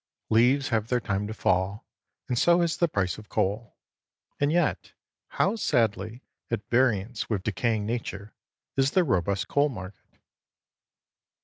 Leaves have their time to fall, and so has the price of coal. And yet how sadly at variance with decaying nature is the robust coal market.